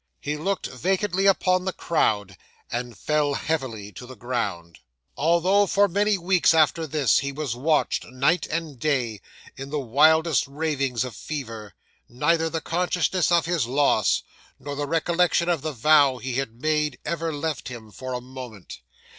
He looked vacantly upon the crowd, and fell heavily to the ground. 'Although for many weeks after this, he was watched, night and day, in the wildest ravings of fever, neither the consciousness of his loss, nor the recollection of the vow he had made, ever left him for a moment.